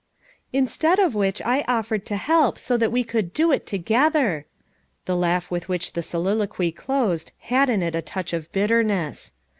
"Instead of which I offered to help, so that we could 'do it together V " The laugh with which the soliloquy closed had in it a touch of bitterness.